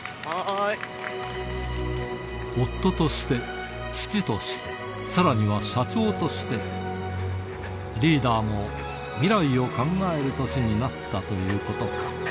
夫として、父として、さらには社長として、リーダーも未来を考える年になったということか。